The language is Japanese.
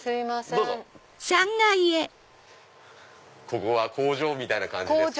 ここは工場みたいな感じです。